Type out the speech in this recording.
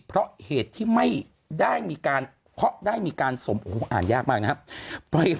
เพราะเหตุที่ไม่ได้มีการเพาะได้มีการสมโอ้โหอ่านยากมากนะครับ